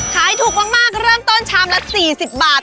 ขายถูกมากเริ่มต้นชามละ๔๐บาท